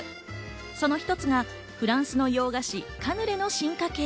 その一つがフランスの洋菓子、カヌレの進化系。